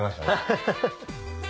ハハハ！